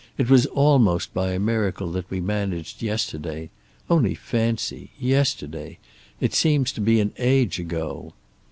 It was almost by a miracle that we managed yesterday only fancy yesterday! It seems to be an age ago!